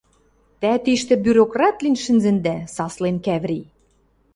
Тӓ тиштӹ бюрократ лин шӹнзӹндӓ! — саслен Кӓври.